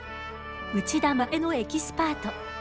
内田衛は風のエキスパート。